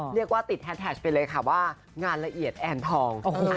เรียกว่าติดแฮดแท็กไปเลยค่ะว่างานละเอียดแอนทอง